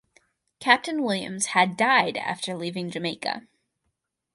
Captain Williams had died after leaving Jamaica.